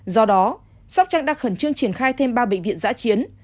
do đó sóc trăng đang khẩn trương triển khai thêm ba bệnh viện giã chiến